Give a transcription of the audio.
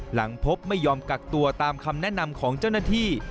หลังพบไม่ยอมกักตัวตามคำแนะนำของเจ้าหน้าที่